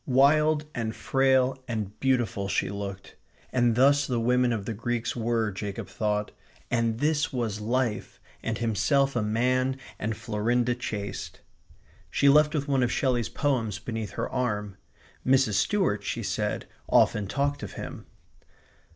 Wild and frail and beautiful she looked, and thus the women of the Greeks were, Jacob thought; and this was life; and himself a man and Florinda chaste. She left with one of Shelley's poems beneath her arm. Mrs. Stuart, she said, often talked of him.